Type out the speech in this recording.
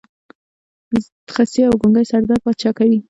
خصي او ګونګی سردار پاچا کوي.